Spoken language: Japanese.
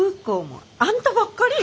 もうあんたばっかり！